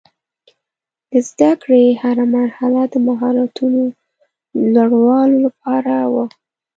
د زده کړې هره مرحله د مهارتونو لوړولو لپاره وه.